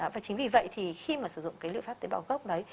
và chính vì vậy thì khi mà sử dụng cái liệu pháp tế bào gốc đấy